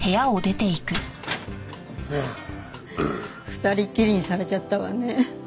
二人っきりにされちゃったわね。